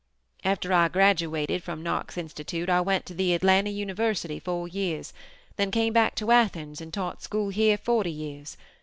After I graduated from Knox Institute, I went to the Atlanta University four years, then came back to Athens and taught school here forty years.